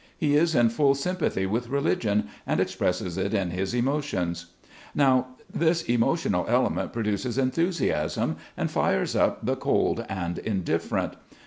He is in full sympathy with religion, and expresses it in his emotions. Now, this emotional element produces enthusiasm and fires up the cold and indifferent.